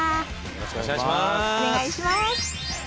よろしくお願いします。